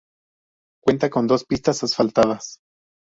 Cuenta con dos pistas asfaltadas.